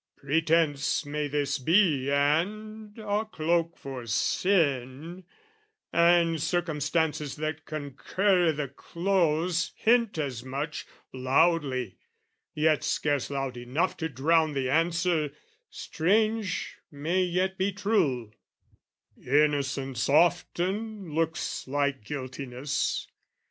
"Pretence may this be and a cloak for sin, "And circumstances that concur i' the close "Hint as much, loudly yet scarce loud enough "To drown the answer 'strange may yet be true:' "Innocence often looks like guiltiness.